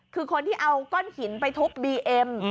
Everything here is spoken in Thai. คือคนที่เอาก้อนหินไปทุบบีเอ็ม